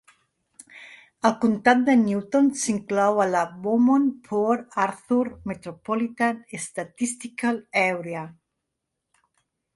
El comtat de Newton s'inclou a la Beaumont-Port Arthur Metropolitan Statistical Area.